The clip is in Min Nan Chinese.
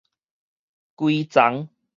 整叢